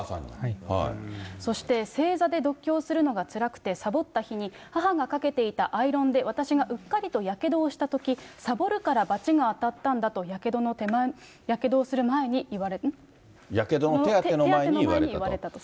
そして正座で読経をするのがつらくて、さぼった日に、母がかけていたアイロンで私がうっかりとやけどをしたとき、さぼるからばちが当たったんだとやけどの手当ての前に言われたと。